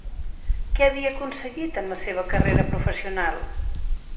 Què havia aconseguit en la seva carrera professional?